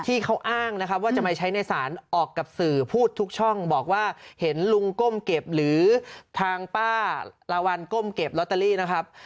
ที่เขาอ้างนะครับว่าจะมาใช้ในศาลออกกับสื่อพูดทุกช่องบอกว่าเห็นลุงก้มเก็บหรือทางป้าละวันก้มเก็บลอตเตอรี่นะครับ